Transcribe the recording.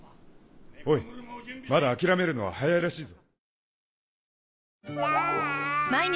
おいまだ諦めるのは早いらしいぞ。